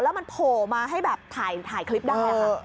แล้วโผ่มาให้แบบถ่ายคลิปได้